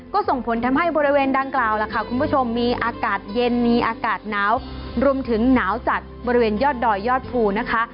ก็ส่งผลทำให้บริเวณดังกล่าวล่ะค่ะคุณผู้ชมมีอากาศเย็นมีอากาศหนาวรวมถึงหนาวจัดบริเวณยอดดอยยอดภูนะคะ